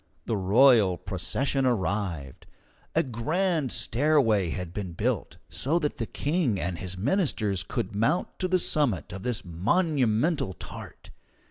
The royal procession arrived. A grand stairway had been built, so that the King and his ministers could mount to the summit of this monumental tart.